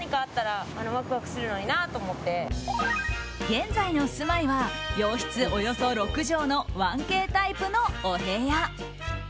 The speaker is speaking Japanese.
現在の住まいは洋室およそ６畳の１Ｋタイプのお部屋。